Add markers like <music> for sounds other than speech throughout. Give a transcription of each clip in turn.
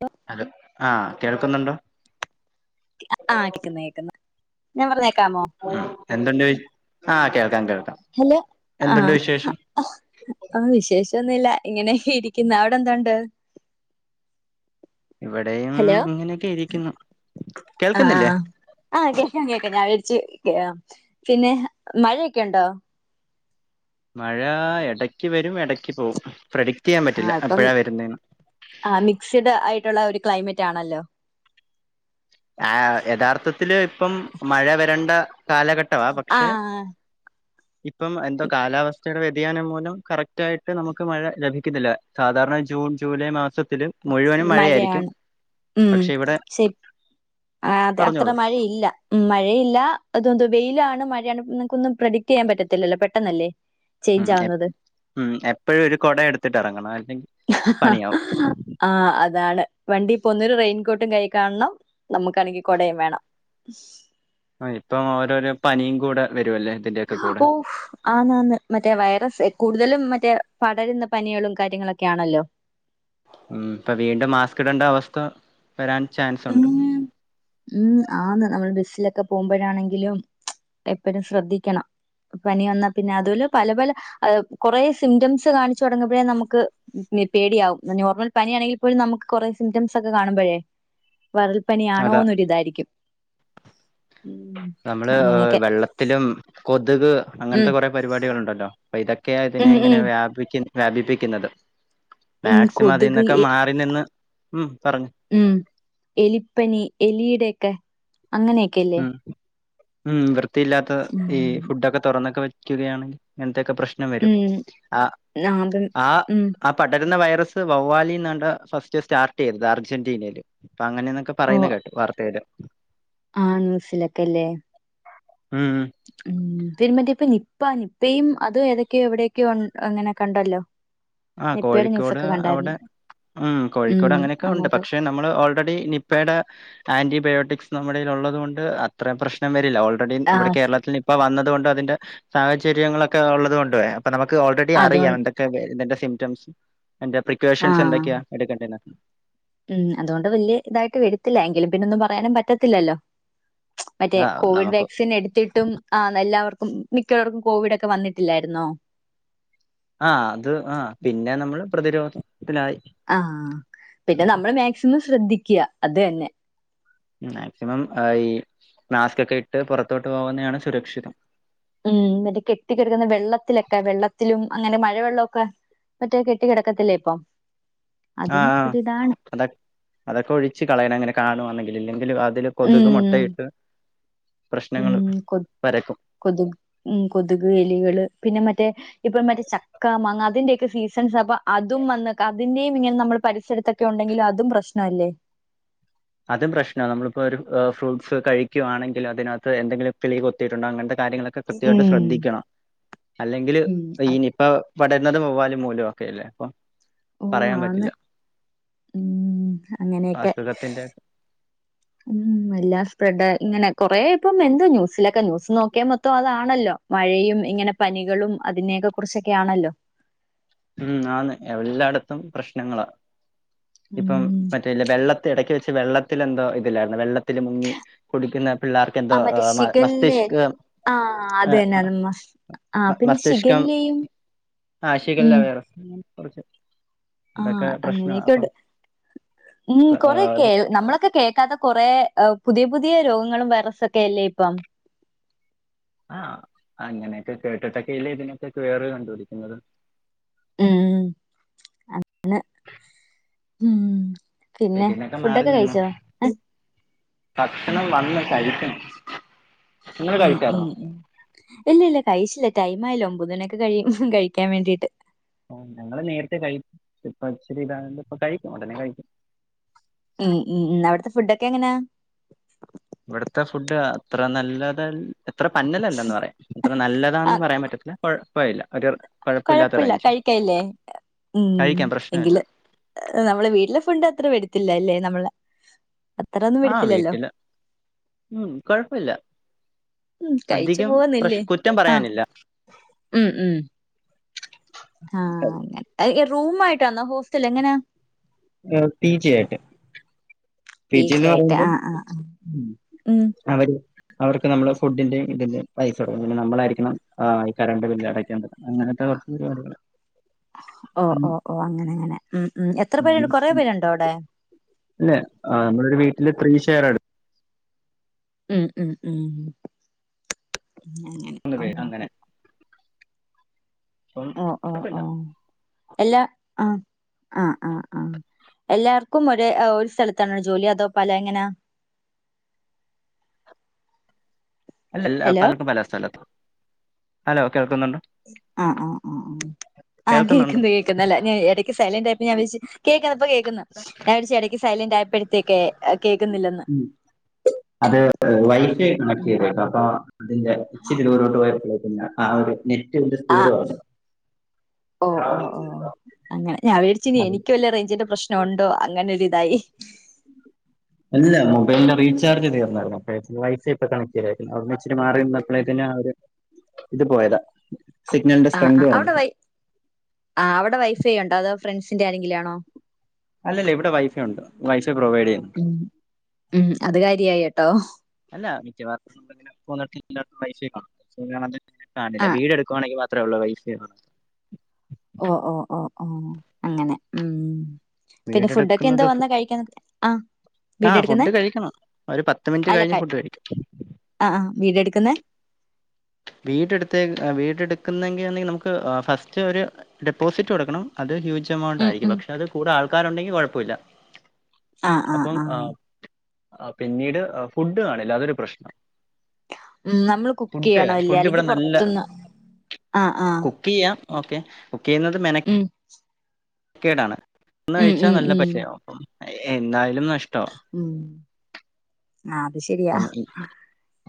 ഹ hello ആഹ് കേൾക്കുന്നുണ്ടോ ആഹ് കേക്കുന്ന കേക്കുന്ന ഞാൻ പറഞ്ഞേക്കാമോ ഉ എന്തുണ്ട് വി ആഹ് കേൾക്കാം കേൾക്കാം ഹലോ എന്തുണ്ട് ആഹ് വിശേഷം ആഹ് വിശേഷൊന്നുല്ല ഇങ്ങനെ ഇരിക്കുന്ന അവിടെ എന്തോണ്ട് ഇവിടെയും ഹലോ ഇങ്ങനെയൊക്കെ ഇരിക്കുന്നു കേൾക്കുന്നില്ലേ ആഹ് ആഹ് കേൾക്കാം കേൾക്കാം ഞാൻ വിളച്ച് കേ പിന്നെ മഴയൊക്കെ ഉണ്ടോ മഴ ഇടയ്ക്ക് വരും ഇടയ്ക്ക് പോവും പ്രഡിക്ട് ചെയ്യാൻ പറ്റില്ല ആഹ് ഇപ്പം എപ്പോഴാ വരുന്നേന് ആഹ് മിക്സ്ഡ് ആയിട്ടുള്ള ഒരു ക്ലൈമറ്റ് ആണല്ലോ ആ യഥാർത്ഥത്തില് ഇപ്പം മഴ വരണ്ട കാലഘട് - ട്ടവാ പക്ഷേ ആഹ് ഇപ്പം എന്തോ കാലാവസ്ഥയുടെ വ്യതിയാനം മൂലം കറക്റ്റായിട്ട് നമുക്ക് മഴ ലഭിക്കുന്നില്ല സാധാരണ ജൂൺ ജൂലൈ മാസത്തില് മുഴുവനും മഴയായിരിക്കും, മഴയാണ് പക്ഷെ ഇവിടെ ആഹ് അത് അത്ര പറഞ്ഞോളൂ മഴയില്ല ഉം മഴയില്ല അതൊന്തോ വെയിലാണ് മഴയാണ് നിങ്ങക്കൊന്നും പ്രഡിക്ട് ചെയ്യാൻ പറ്റത്തില്ലല്ലോ പെട്ടെന്നല്ലേ ഉം ചേഞ്ച് ആവുന്നത് എപ് എപ്പഴും ഒരു കൊട എടുത്തിട്ടെറങ്ങണം അല്ലെ ആഹ് അതാണ്, വണ്ടി പ്പോന്നൊരു റെയിൻകോട്ടും കൈയ്യി കാൺണം നമ്മുക്കാണെങ്കി കൊടയും വേണം ആഹ് ഇപ്പം ഓരോരോ പനിയും കൂടെ വരുവല്ലേ തിന്റെ ഓഫ് ആന്നാന്ന് മറ്റേ വൈറസ് കൂടുതലും മറ്റേ പടരുന്ന പനികളും കാര്യങ്ങളൊക്കെ ആണല്ലോ ഉം പ്പൊ വീണ്ടും മാസ്ക്ടണ്ട അവസ്ഥ വരാൻ ചാൻസുണ്ട് ഉം ഉം ആന്ന്, നമ്മൾ ബസ്സിലൊക്കെ പോകുമ്പഴാണെങ്കിലും എപ്പഴും ശ്രദ്ധിക്കണം പനി വന്നാ പിന്നെ അതുലെ പല പല കൊറെേ സിംറ്റംസ് കാണിച്ചു തുടങ്ങുമ്പഴേ നമുക്ക് പേടിയാവും, നോർമൽ പനിയാണെങ്കി പോലും നമുക്ക് കൊറേ സിംറ്റംസൊക്കെ കാണുമ്പഴേ അതാ വറൽപ്പനിയാണോന്നൊരി തായിരിക്കും ഉം നമ്മള്ഹ അങ്ങനെയൊക്കെ വെള്ളത്തിലും കൊതുക് അങ്ങൻത്ത ഉം കൊറെ പരിപാടികള്ണ്ടല്ലോ അപ്പ ഇതൊക്കെയ ഇതിനെ ഉം ഉം ഇങ്ങനെ വ്യാപി വ്യാപിപ്പിക്കുന്നത് ഉം മാക്സിമം കൊതുക് ഇതിന്നൊക്കെ എ മാ റി നിന്ന് ഉം പറ ഉം എലിപ്പനി എലീടെയക്കെ അങ്ങനെയൊക്കെല്ലേ ഉം ഉം വൃത്തിയില്ലാത്ത ഈ ഉം ഫുഡൊക്കെ തൊറന്നൊക്കെ വെക്കുകയാണ് ഇങ്ങൻത്തെയൊക്കെ പ്രശ് നം വരും. അഹ് നാപം ആഹ് ഉം അഹ് പടരുന്ന വൈറസ് വവ്വാലിന്നാണ്ടാ ഫസ്റ്റ് സ്റ്റാർട്ടെയ്തത് അർജന്റീനയില്. അപ്പങ്ങനേന്നൊക്കെ പറയുന്ന കേട്ടു വാർത്തേല്. ആഹ് ന്യൂസിലൊക്കെല്ലേ? ഉം. ഉം ഉം തിരുമറ്റേ ഇപ്പ നിപ്പാ നിപ്പയും അതു ഏതൊക്കെയൊ എവിടെയൊക്കെ ഉ അങ്ങനെ കണ്ടല്ലോ ആ നിപ്പയുടെ കോഴിക്കോട് ന്യൂസൊക്കെ അവിടെ കണ്ടായിരുന്നു ഉം ഉം കോഴിക്കോട് അങ്ങനെയൊക്കെ ഉണ്ട് അങ്ങോട്ട് പക്ഷെ നം നമ്മള് ഓൾറെഡി നിപ്പയുടെ ആന്റിബയോട്ടിക്സ് നമ്മുടെൽ ഉള്ളത് കൊണ്ട് അത്രേം പ്രശ്നം വരില്ല. ഓൾ റെടീ ആ ഇവിടെ കേരളത്തിൽ നിപ്പ വന്നത് കൊണ്ട് അതിന്റെ സാഹചര്യങ്ങളൊക്കെ ഒള്ളത് കൊണ്ടുവേ പ്പ നമുക്ക് ഓൾറെഡി അതോ അറിയാം. എന്തൊക്കെ ഇതിന്റെ സിംറ്റംസ് ഇതിന്റെ ആ പ്രിക്കോഷൻസ് എന്തൊക്കെയാന്ന് എടുക്കണ്ടേന്ന് ഉം അതുകൊണ്ട് വല്ല്യ ഇതായിട്ട് വരത്തില്ല എങ്കിൽ പിന്നൊന്നും പറയാനും പറ്റത്തില്ലല്ലോ? മറ്റേ ആ കോവിഡ് നമുക്ക് വാക്സിൻ എടുത്തിട്ടും ആന്ന് എല്ലാവർക്കും മിക്കവർക്കും കോവിഡക്കെ വന്നിട്ടില്ലായിരുന്നോ? ആഹ് അത് ആ പിന്നെ നമ്മള് പ്രതിരോധത്തിലായി ആഹ് പിന്നെ നമ്മള് മാക്സിമം ശ്രദ്ധിക്ക്യ, അത് തന്നെ. മാക്സിമം ആഹ് ഈ മാസ്ക്കൊക്കെ ഇട്ട് പുറത്തോട്ട് പോകുന്നെയാണ് സുരക്ഷിതം. ഉം മറ്റേ കെട്ടിക്കെടക്കുന്ന വെള്ളത്തിലക്കെ വെള്ളത്തിലും അങ്ങനെ മഴ വെള്ളൊക്കെ മറ്റേ കെട്ടി കെടക്കത്തില്ലേ ഇപ്പൊ? ആ അതും ആ ഒരിതാണ്. അതൊക്കെ അതൊക്കെ ഒഴിച്ച് കളയണം ഇങ്ങനെ കാണുവാന്നെങ്കില്. ഇല്ലെങ്കിലും അതില് കൊതക് ഉം മൊട്ടയിട്ട് ഉം കൊ കൊതുക് ഉം കൊതുക്, എലികള് പിന്നെ മറ്റേ ഇപ്പം മറ്റേ ചക്കാ മാങ്ങ അതിന്റെക്കെ സീസൺസ് അപ്പൊ അതും വന്നക്കെ അതിന്റെയും ഇങ്ങനെ നമ്മള് പരിസരത്ത് ക്കെ ഉണ്ടെങ്കിലും അതും പ്രശ്നവല്ലേ? അത് പ്രശ്നാ നമ്മളിപ്പോ ഒരു ഫ്രൂട്ട്സ് കഴിക്കുവാണെങ്കില് അതിനകത്ത് എന്തെങ്കിലും കിളി കൊത്തിട്ടുണ്ടോ അങ്ങൻത്തെ കാര്യങ്ങള് ക്കെ കൃത്യായിട്ട് ഉം ശ്രദ്ധിക്കണം അല്ലെങ്കില് ഉം ഈ അത്- ഇപ്പൊ പടരുന്നത് വവ്വാല് മൂലോക്കെ അല്ലേ പ്പം? ഓ പറയാൻ പറ്റില്ല ആന്ന് ഉം അങ്ങനെയൊക്കെ വാസ്തകത്തിന്റെ ഉം എല്ലാ സ്പ്രെഡ് ഇങ്ങനെ കൊറെ ഇപ്പം എന്തോ ന്യൂസിലൊക്കെ ന്യൂസ് നോക്കിയാ മൊത്തം അതാണല്ലോ? മഴയും ഇങ്ങനെ പനികളും അതിനെയോക്കെ കുറിച്ചൊക്കെ ആണല്ലോ ഉം ആന്ന് എല്ലാടത്തും പ്രശ്നങ്ങളാ ഇപ്പം ഉം മറ്റേല് വെള്ളത്തി എടക്ക് വെച്ച് വെള്ളത്തിലെന്തോ ഇതില്ലായിരുന്നോ വെള്ള ത്തില് മുങ്ങി കുടിക്കുന്ന പിള്ളാർക്ക് ആ എന്തോ മറ്റേ ആഹ് മ ശിഖല്ലേ മസ്തിഷ്ക ആഹ് അത് തന്നെ അത് ആഹ് പിന്നെ ശിഖല്ലയും ശിഗല്ല ഉം വൈറസ് ഉം കൊറച്ച് ആഹ് അങ്ങനെക്കെ ഉണ്ട് ഉം കൊറെയൊക്കെ ഏഹ് നമ്മളൊക്കെ കേക്കാത്ത കൊറെ പുതിയ പുതിയ രോഗങ്ങളും വൈറസൊക്കെ അല്ലേ ഇപ്പം? ആഹ് അങ്ങനെക്കെ കേട്ടിട്ടോക്കെയില്ലേ ഇതിനൊക്കെ ക്വയറ് കണ്ടുപിടിക്കുന്നത്. ഉം അങ്ങനെ ഉം പിന്നെ ഇതിനൊക്കെ മാറി ഫുഡൊക്കെ നിന്നു കഴിച്ചോ? ആ, ഭക്ഷണം വന്ന് കഴിക്കണം നിങ്ങൾ ഉം ഉം കഴിച്ചായിരുന്നോ ഉം ഇല്ലല്ല കഴിച്ചില്ല ടൈം ആയില്ല ഒമ്പത് മണിയോക്കെ കഴിയും കഴിക്കാൻ വേണ്ടിട്ട് ഉം ഞങ്ങള് നേരത്തെ കഴിക്കും ഇപ്പച്ചിരി ഇതായോണ്ട് ഇപ്പ കഴിക്കും ഉടനെ കഴിക്കും. ഉം ഉം ഉം അവിട്ത്തെ ഫുഡൊക്കെ എങ്ങനാ? ഇവട്ത്തെ ഫുഡ് അത്ര നല്ലതൽ അത്ര പന്നലല്ലന്ന് പറയാം അത്ര നല്ലതാന്ന് ആഹ് പറയാൻ പറ്റത്തില്ല കൊഴപ്പേല്ല ഒരു കുഴപ്പമില്ലാത്ത കൊഴപ്പല്ല റേഞ്ച് കഴിക്കായില്ലേ? ഉം കഴിക്കാം പ്രശ്നമില്ല എങ്കില് നമ്മളെ വീട്ടിലെ ഫുഡ് അത്ര വരത്തില്ല അല്ലേ നമ്മള് അത്ര ഒന്നും ആഹ് വരത്തില്ലല്ലോ വീട്ടില് ഉം കൊഴപ്പല്ല ഉം കഴിച്ചു അധികം പോവുന്നില്ലേ പ്രശ് കുറ്റം ആഹ് പറയാനില്ല. ഉം ഉം ആഹ് അങ്ങനെ റൂമ് ആയിട്ടാന്നാ ഹോസ്റ്റലാ എങ്ങനാ? പി ജി ആയിട്ട് പി ജി ന്ന് ആയിട്ട് പറയുമ്പം ആഹ് ആഹ് ഉം ഉം അവര് അവർക്ക് നമ്മള് ഫുഡിന്റെ ഇതിന്റെ പൈസകോടുക്കണം പിന്നെ നമ്മളായിരിക്കണം ഈ കറണ്ട് ബില്ല് അടക്കേണ്ടത് അങ്ങനത്തെ കോറച്ച് പരിപാടികള് ഒഹ് ഒഹ് ഒഹ് അങ്ങനെ അങ്ങനെ ഉം ഉം എത്ര പേരുണ്ട് കൊറേ പേരുണ്ടോ അവിടെ? അല്ലെ ആഹ് നമ്മളോരു വീട്ടില് ത്രീഷേയറാ ഉം ഉം ഉം അങ്ങനെ ന്ന് പേര് ഓഹ് അങ്ങനെ അപ്പം അപ്പ ഓഹ് ഓഹ് കുഴപ്പല്ല ഓഹ് എല്ലാ ആഹ് ആഹ് ആഹ് ആഹ് എല്ലാർക്കും ഒരെ ഒരു സ്ഥലത്താണോ ജോലി അതോ പല എങ്ങനാ? അല്ലല്ല ഹലോ പലർക്കും പല സ്ഥലത്ത് ഹലോ കേൾക്കുന്നുണ്ടോ? ആഹ് ആഹ് ആഹ് ആഹ് കേൾക്കുന്നുണ്ടോ കേക്ക്ണ്ട് കേക്ക്ണ്ട് അല്ല <unintelligible> ക്ക് സൈലന്റ് ആയപ്പോ ഞാൻ വെച്ച് കേക്കുന്നു ഇപ്പോ കേക്കുന്നു ഞാൻ <unintelligible> എടയ്ക് സൈലന്റ് ആയപ്പോഴത്തേക്കെ കേക്ക്ന്നില്ല ഉം അത് വൈഫൈ കണക്ട് ഉം ചെയ്തേ <unintelligible> അപ്പൊ അതിന്റെ ഇച്ചിരി ദൂരത്തോട്ട് പോയാ കേക്കില്ല ആഹ് ഒരു നെറ്റിന്റെ സ്പീഡ് ആഹ് കുറഞതാ ഓഹ് ഓഹ് ഓഹ് അങ്ങനെ ഞാൻ വിചാരിച്ച് അത് എനിക്ക് വല്ലേ റെയ്ഞ്ചിന്റെ പ്രശ് ഉണ്ടോ അങ്ങനൊരിതായി അല്ല മൊബൈലിന്റെ റീചാർജ് തി ർന്നായിരുന്നു അപ്പോ വൈഫൈ ഒക്കെ കണക്ട് ചെയതായിരുന്നു അവിടെന്ന് ഇച്ചിരിമാറി അപ്പളേക്കും തന്നെ ആഹ് ഒര് ഇത് പോയതാ സിഗ്നലിന്റെ ആഹ് സ്ട്രെങ്ത് ആഹ് കുറഞ്ഞു അവിടെ വൈ ആ അവിടെ വൈഫൈ ഉണ്ടോ അതോ ഫ്രണ്ട്സിന്റെ ആരെങ്കിലു ആണോ അല്ല ഇവിടെ വൈഫൈ ഉണ്ട് വൈഫൈ പ്രൊവൈഡ് ചെയ്യുന്നു ഉം അത് കാര്യായിട്ടോ അല്ല മിക്കവാറും <unintelligible> പൈസ കാണില്ല ആഹ് വീട് എടുക്കണേങ്കെ മാത്രമ ഉള്ളൂ വൈഫൈ ഓ ഓ ഓ ഓ അങ്ങനെ ഉം പിന്നെ ഫുഡൊക്കെ എന്താ വീടെടുക്കുന്നത് വന്നാ കഴിക്കാൻ ആഹ് വീഡിയോ ആഹ് എടുക്കുന്നേ ഫുഡ് കഴിക്കണം ഒരു പത്ത് മിനിറ്റ് അല്ല കഴിഞ്ഞ് ഫുഡ് കഴിക്കും ആഹ് വീഡിയോ എടുക്കുന്ന വീടെടുത്ത് വീടെടുക്കുന്നതെങ്കിൽ ആന്നെങ്കിൽ നമുക്ക് ഫസ്റ്റ് ഒരു ഡെപ്പോസിറ്റ് കൊടുക്കണം അത് ഹ്യൂജ് എമൗണ്ട് ഉം ആയിരിക്കും ഉം പക്ഷെ അത് കൂടെ ആൾക്കാരുണ്ടെങ്കിൽ കുഴപ്പമില്ല ആഹ് ആഹ് അപ്പം ആഹ് പിന്നീട് ഫുഡ് കാണില്ലാതൊരു പ്രശ്നം ഉം നമ്മള് കുക്ക് ഫുഡ് ചെയ്യണല്ലേ ഫുഡ് അല്ലെങ്കിൽ ഇവിടെ നല്ല പൊറത്തുന്ന് ആഹ് ആഹ് കുക്ക് ചെയ്യാം ഓക്കെ കുക്ക് ചെയ്യുന്നത് മെനെ ഉം കേടാണ് ഒന്ന് ഉം കഴിച്ചാൽ ഉം നല്ല ഉം പശയാവും അ എന്നാലും നഷ്ടമാ ഉം ആ അത് ശരി അപ്പം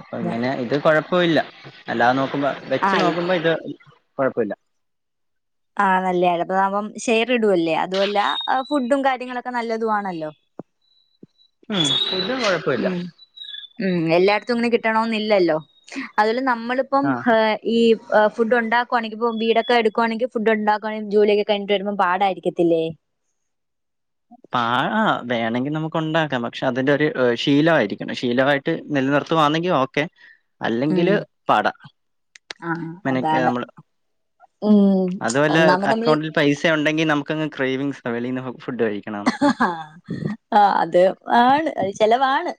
അപ്പൊ ഇങ്ങനെ ഇത് കുഴപ്പില്ല അല്ലാതെ നോക്കുമ്പോ വെച്ച് നോക്കുമ്പോ ഇത് കുഴപ്പമില്ല <unintelligible> ഷെയർ ഇടുല്ലേ അതുല്ല ഫുഡും കാര്യങ്ങളൊക്കെ നല്ലതു ആണല്ലോ ഉം ഫുഡും കൊഴപ്പല്ല ഉം ഉം എല്ലായിടത്തും ഇങ്ങനെ കിട്ടണന്നല്ലല്ലോ അതുപലെ നമ്മളിപ്പം ആ ഈ ഫുഡ് ഉണ്ടാക്കുവാണെങ്കിൽ ഇ വീടൊക്കെ എടുക്കുവാണെങ്കിൽ ഫുഡ് ഉണ്ടാക്കുകയാണെങ്ക ജോലിയൊക്കെ കഴിഞ്ഞിട്ട് വരുമ്പോ പാടായിരിക്കല്ലേ പാ വേണമെങ്കിൽ നമുക്ക് ഉണ്ടാക്കാം പക്ഷെ അതിന്റെ ഒരു ശീലമായിരിക്കണം ശീലമായിട്ട് നിലനിർത്തുവാന്നെങ്ക ഓക്കെ ഉം അല്ലെങ്കില് പട ആഹ് മെനക്കെ അതാണ് നമ്മള് ഉം അതുപോലെ ഒന്നാമത് നമ്മള് അക്കൗണ്ടിൽ പൈസ ഉണ്ടെങ്കിൽ നമുക്ക്ങ് ക്വിങ്സ് വെലന്ന് ഫുഡ് കഴിക്കണം ആഹ് അത് ആണ് അത് ചെലവാണ്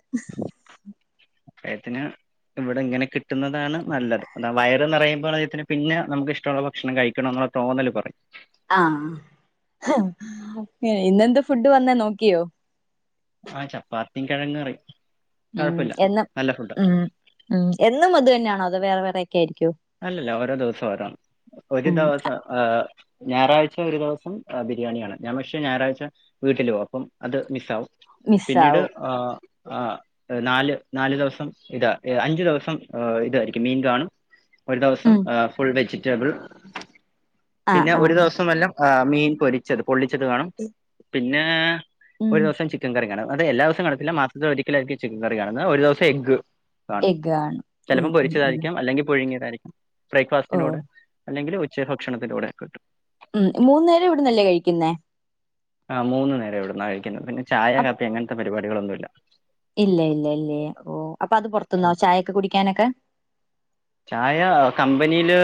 എത്തിന് ഇവിടെ ഇങ്ങനെ കിട്ടുന്നതാണ് നല്ലത് അതാ വയർന്ന് പറയുമ്പോൾ അദ്ദേത്തിന് പിന്നെ നമുക്ക് ഇഷ്ടുള്ള ഭക്ഷണം കഴിക്കണം എന്നുള്ള തോന്നല് പറയും ആഹ ഇന്നെന്ത് ഫുഡ് വന്ന നോക്കിയോ ആഹ ചപ്പാത്തിയും കിഴങ്ങ്കറി ഉം എന്നും ഉം ഉ എന്നും അത് തന്നെയാണോ അതോ വേറെ വേറെക്കെ ആയിരിക്കോ അല്ലല്ല ഓരോ ദിവസം ഒരേന്ന് ഒരു ഉം ദിവസം ഹ് ഞായറാഴ്ച ഒരു ദിവസം ബിരിയാണിയാണ് ഞാൻ പക്ഷെ ഞായറാഴ്ച വീട്ടിലാവും അപ്പം അത് മിസ്സ ആവും പിന്നീട് മിസ്സാവും ആ ആ നാല് നാല് ദിവസം ഇതാ അഞ്ചു ദിവസം ഇതായിരിക്കും മീൻ കാണും ഒരു ദിവസം ഉം ഫുൾ വെജിറ്റബിൾ ആഹ് പിന്നെ ഒരു ആഹ് ദിവസം വല്ലാം ആഹ് മീൻ പൊരിച്ചത് പൊള്ളിച്ചത് കാണും പിന്നെ ഉം ഒരു ദിവസം ചിക്കൻ കറി കാണുന്നത് അത് എല്ലാ ദിവസവും കണില്ല മാസത്തിലൊരിക്കലായിരിക്കും ചിക്കൻ കറി കാണുന്നത് ഒരു ദിവസം എഗ് ആണ് എഗ് ആണ് ഉം ചിലപ്പം ഉം ഉം പൊരിച്ചതായിരിക്കാം അല്ലെങ്കിൽ പുഴുങ്ങിയതായിരിക്കും ഓ ബ്രേക്ക്ഫാസ്റ്റിനോട് അല്ലെങ്കിൽ ഉച്ച ഭക്ഷണത്തിലൂടെ കിട്ടും ഉം മൂന്ന നേരം ഇവിടുന്നല്ലേ കഴിക്കുന്നേ ആ് മൂന്നു നേരം ഇവിടന്നാണ് കഴിക്കുന്നത് പിന്നെ ചായ അപ് കപ്പി അങ്ങനത്തെ പരിപാടികളൊന്നുല്ല ഇല്ല ഇല്ല ഇല്ലേ ഓ അപ്പൊ അത് പുറത്തുന്നോ ചായൊക്കെ കുടിക്കാനൊക്കെ ചായ കമ്പനിയില്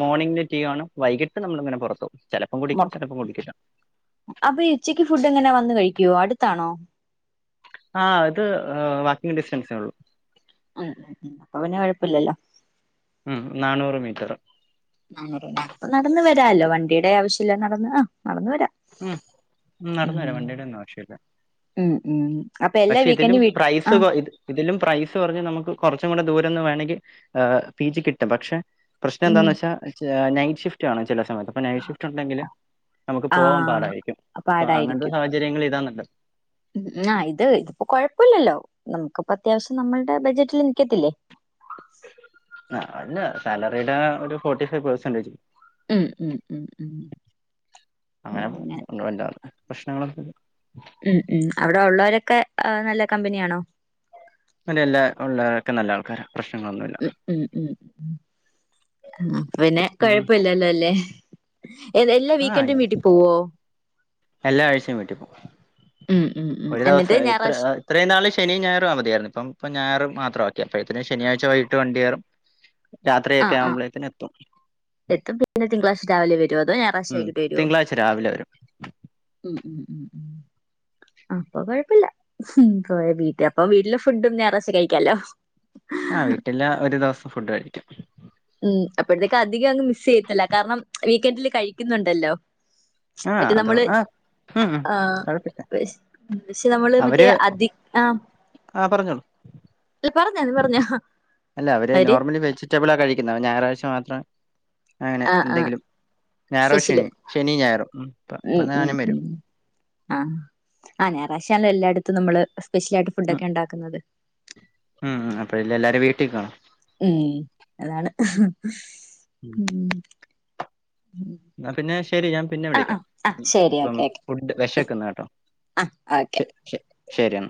മോർണിംഗില് ടീ ആണ് വൈകിട്ട് നമ്മളിങ്ങനെ പുറത്ത പോകും ചെലപ്പം കുടിക്കും ചെലപ്പം കുടിക്കില്ല അപ്പൊഈ ഉച്ചക്ക് ഫുഡ് എങ്ങനെ വന്ന കഴിക്കുവോ അടുത്താണോ ആഹ് ഇത് വാക്കി് ഡിസ്റ്റൻസേ ഉള്ളു ഉം ഉ അപ്പ പിന്നെ കുഴപ്പില്ലല്ലോ ഉം നാനൂറ് മീറ്ററ് അപ്പം നടന്ന വരാല്ലോ വണ്ടിയുടെ ആവശ്യമല്ല നടന്ന് ആ നടന്ന വരാം ഉം ഉ നടന്നു വരാം ഉം വണ്ടിയുടെ ഒന്നും ആവശ്യല്ല ഉം ഉം അപ്പൊ എല്ലാ വീക്കൻഡും വിട് പ്രൈസ് ആഹ കൊ ഇത് ഇതിലും പ്രൈസ് പറഞ്ഞ് നമുക്ക് കുറച്ചും കൂടെ ദൂരൊന്നന്ന് വേണമെങ്കിൽ പി ജി കിട്ടും പക്ഷെ പ്രശ്നം ഉം എന്താന്ന് വെച്ചാ നൈറ്റ് ഷിഫ്റ്റ് ആണ് ചില സമയത്ത് അപ്പോൾ നൈറ്റ് ഷിഫ്റ്റ് ഉണ്ടെങ്കില് നമുക്ക് പോകാൻ പാടായിരിക്കും ആഹ് അപ്പോൾ അങ്ങനത്തെ സാഹചര്യങ്ങളി ഇതാെ നല്ലത് ഉ ആ ഇത് ഇതിപ്പോ കൊഴപ്പമില്ലല്ലോ നമുക്കിപ്പ അത്യാവശ്യം നമ്മുടെ ബജറ്റില് നിൽക്കത്തില്ലേ ആഹ അല്ല സാലറിയുടെ ഒരു ഫോർട്ടി ഫൈവ് പെർസന്റേജ് ഉം ഉം ഉം ഉം ഒ ങ്ങനെ അേണ്ടറ് <inaudible> പ്രശ്നങ്ങളൊക്കെ ഉം ഉം അവിടെ ഉള്ളവരൊക്കെ നല്ല കമ്പനി അണോ അങ്ങന എല്ലാ ഉള്ളരൊക്കെ നല്ല ആൾക്കാരാണ് പ്രശ്ന ഒന്നുമില്ല ഉം ഉം ഉം ഉഅ പിന്നെ ഉം കുഴപ്പില്ലല്ലോ അല്ലേ എല്ലാ ആ വീക്കെന്റുവീട്ടി പോവോ എല്ലാ ആഴ്ചയും ഉം ഉം ഉം വീട്ടിപ്പോകുംഒരു എന്നിട്ട് ദിവസം ഇത്ര ഞായറാഴ്ച ഇത്രയും നാള് ശനി ഞയർ അവ ആയിരുന്നു ഇപ്പംപ്പോൾ ഞായർ മാത്രമാക്കിയ അപ്പോഴത്തിന ശനിയാഴ്ച്ച വൈകട്ട് വണ്ടിയറും ആ രാത്രിയൊക്കെ ആ ആവുമ്പോഴേക്കന് എത്തും എത്തും പിന്നെ തിങ്കളാഴ്ചം രാവിലെ വരുമോ അതോ ഞായറാഴ്ച ഉം വൈകി ട്ട് വരുവോ തിങ്കളാഴ്ച രാവിലെ വരും ഉം ഉം ഉം ഉം അപ്പൊ കൊഴപ്പല്ല പോയ വീട്ട അപ്പൊ വീട്ടില് ഫുഡും ഞായറാ്ച്ച കഴിക്കാലോ ആ വീട്ടില് ഒരു ദിവസം ഫുഡ് കഴിക്കും ഉം അപ്പോഴത്തേക്കും അധികം അങ്ങ് മിസ് ചെയ്യത്തില്ല കാരണം വീക്കെന്ഡില് കഴിക്കുന്നുണ്ടല്ലോ ആഹ അത ആഹ ആ ഹ പക്ഷെ നമ്മള് മറ്റേ അവര് അതി ആഹ ആ ഹ പറഞ്ഞോളൂ ഒരുപാട് നേരം പറഞ്ഞ അഹ അല്ല അവര് നോർമലി വെജിറ്റബിള ആ കഴിക്കുന്ന ഞായറാഴ്ച മാത്ര അങ്ങനെ ആഹ് ആഹ് എന്തെങ്കിലും ഞായറോ സ്പെഷ്യല് ശനി ശനി ഞായറോ ഉം ഉം ഉം ആഹ ആ ഞായറാഴ്ച്ച എല്ലായിടത്തും നമ്മള് സ്പെഷ്യൽ ആായിട്ട്ടെ ഉം അടുപ്പെ ഉണ്ടാക്കുന്നത് ഉം അപ്പഴ ഇല്ല എല്ലാര വീട്ടിൽ കാണോ ഉം അതാണ് ഉം എന്നാ പിന്നെ ശരി ഞാൻ പിന്നെ ആഹ് വിളിക്കാം ആഹ് ആഹ് ശരി ഇപ്പം ഓക്കെ ഓക്കെ ഫുഡ് വെഷക്കന്ന് കേട്ടോ ആഹ് ഓക്കെ ശ ശരിയാ